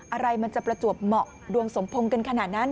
อะไรมันจะประจวบเหมาะดวงสมพงษ์กันขนาดนั้น